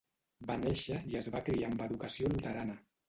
Va néixer i es va criar amb educació luterana.